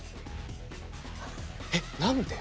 えっ？何で？